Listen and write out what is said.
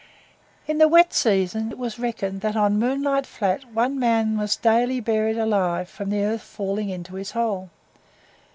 In the wet season, it was reckoned that on Moonlight Flat one man was daily buried alive from the earth falling into his hole.